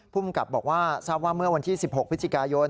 ภูมิกับบอกว่าทราบว่าเมื่อวันที่๑๖พฤศจิกายน